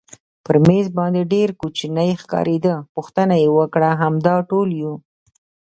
پر مېز باندې ډېر کوچنی ښکارېده، پوښتنه یې وکړل همدا ټول یو؟